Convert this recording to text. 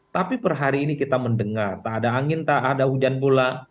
tapi perhadi ini kita mendengar tak ada angin tak ada hujan pula